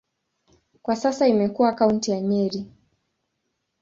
Kwa sasa imekuwa kaunti ya Nyeri.